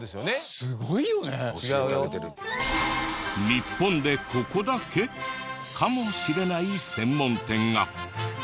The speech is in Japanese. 日本でここだけ！？かもしれない専門店が。